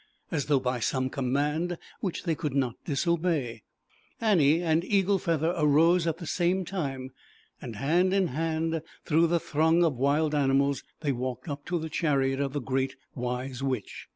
As though by some command which the could not disobey, Annie and Eagle Feather arose at the same time, and hand in hand through the throng of wild animals they walked up to the chariot of the Great Wise Witch.